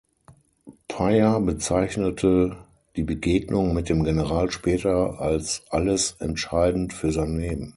Payer bezeichnete die Begegnung mit dem General später als alles entscheidend für sein Leben.